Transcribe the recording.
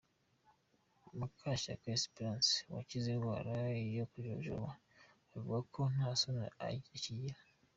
Mukashyaka Espérance wakize indwara yo kujojoba avuga ko nta Soni akigira.